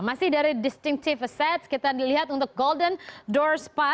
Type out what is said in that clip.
masih dari distinctive assets kita lihat untuk golden door spa